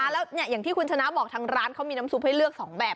แล้วอย่างที่คุณชนะบอกทางร้านเขามีน้ำซุปให้เลือก๒แบบ